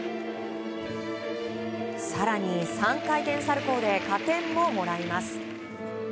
更に３回転サルコウで加点をもらいます。